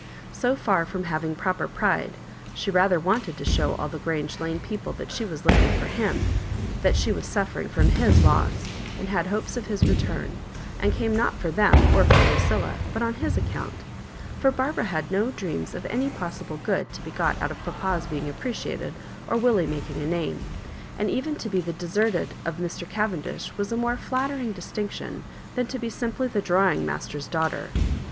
So far from having proper pride, she.rather wanted to show all the Grange Lane people that she was looking for At7J9, that she was suffering from hie loss, and liad hopes of his return, and came not for them, or for Lucilla, but on his account; for Barbara had no dreams of any possible good to be got out of papa^s being appreciated, or Willie mak ing a name ; and even to be the deserted of Mr. Cavendish was a more flattering distinction than to be simply the drawing master's daughter.